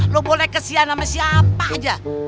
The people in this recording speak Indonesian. lo boleh kesian sama siapa aja